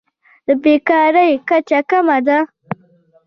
د بیکارۍ کچه کمه ده.